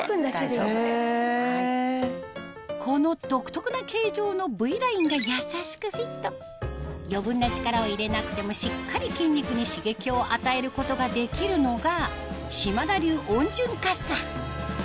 この独特な形状のＶラインが優しくフィット余分な力を入れなくてもしっかり筋肉に刺激を与えることができるのが島田流温巡かっ